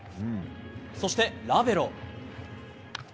そして、ラベロ。